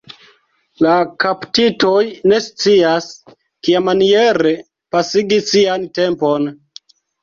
La kaptitoj ne scias, kiamaniere pasigi sian tempon.